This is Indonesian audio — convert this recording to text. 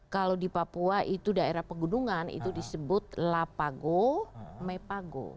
kalau di papua itu daerah pegunungan itu disebut la pago me pago